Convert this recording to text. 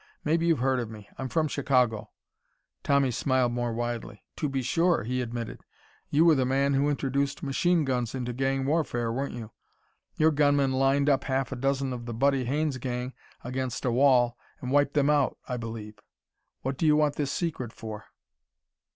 "Maybe you've heard of me. I'm from Chicago." Tommy smiled more widely. "To be sure," he admitted. "You were the man who introduced machine guns into gang warfare, weren't you? Your gunmen lined up half a dozen of the Buddy Haines gang against a wall and wiped them out, I believe. What do you want this secret for?"